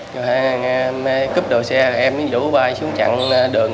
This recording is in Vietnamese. rồi mấy em cướp đồ xe em với vũ bay xuống chặng đường